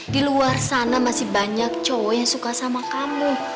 di luar sana masih banyak cowok yang suka sama kamu